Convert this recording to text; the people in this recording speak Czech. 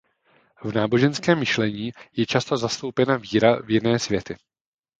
V náboženském myšlení je často zastoupena víra v jiné světy.